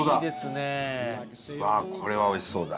これはおいしそうだ。